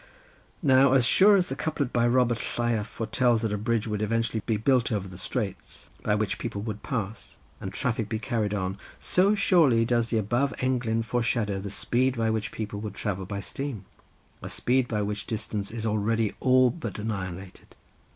Now, as sure as the couplet by Robert Lleiaf foretells that a bridge would eventually be built over the strait, by which people would pass, and traffic be carried on, so surely does the above englyn foreshadow the speed by which people would travel by steam, a speed by which distance is already all but annihilated.